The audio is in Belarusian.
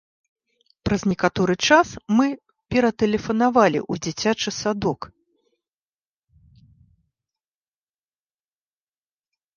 Праз некаторы час мы ператэлефанавалі ў дзіцячы садок.